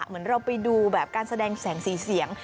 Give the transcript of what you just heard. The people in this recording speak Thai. เหมือนเราไปดูแบบการแสดงแสงสีเสียง